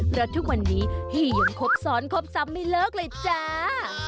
เพราะทุกวันนี้พี่ยังครบซ้อนครบซ้ำไม่เลิกเลยจ้า